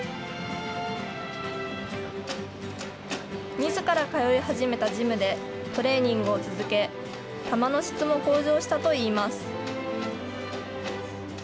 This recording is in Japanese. みずから通い始めたジムで、トレーニングを続け、球の質も向上したといいます。